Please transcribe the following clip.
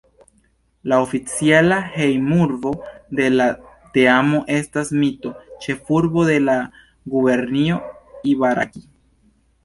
La oficiala hejmurbo de la teamo estas Mito, ĉefurbo de la gubernio Ibaraki.